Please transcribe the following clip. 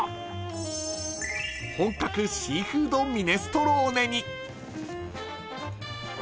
［本格シーフードミネストローネに］